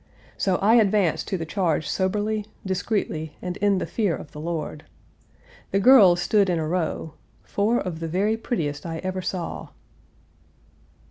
So I advanced to the charge soberly, discreetly, and in the fear of the Lord. The girls stood in a row four of the very prettiest I ever saw."